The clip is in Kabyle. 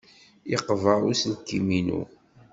Yeqber uselkim-inu.